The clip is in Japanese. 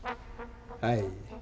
はい。